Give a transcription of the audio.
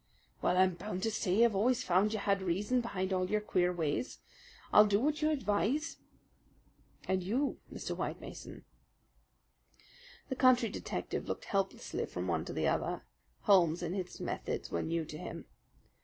"Well, I'm bound to say I've always found you had reason behind all your queer ways. I'll do what you advise." "And you, Mr. White Mason?" The country detective looked helplessly from one to the other. Holmes and his methods were new to him.